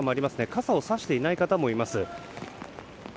傘をさしていない方もいます。